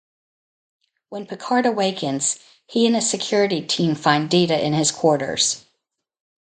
When Picard awakens, he and a security team find Data in his quarters.